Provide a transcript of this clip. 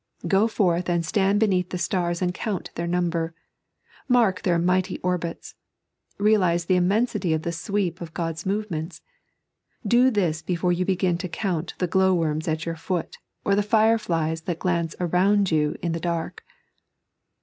Go fcoth and stand beneath the stars and count their number; mark their mighty orbits ; realize the immensity of the sweep of God's movements — do this before you begin to count the glow worms at your foot, or the fireflies that glance around you in the dark.